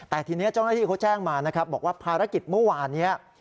แต่ทีนี้เจ้าหน้าที่เขาแจ้งมานะครับบอกว่าภารกิจเมื่อวานนี้